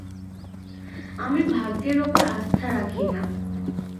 আমি ভাগ্যের ওপর আস্থা রাখি না।